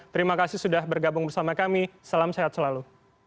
terima kasih sudah bergabung bersama kami salam sehat selalu